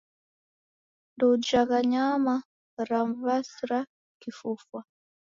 Ndoujagha nyama ram'w'asira kifufwa.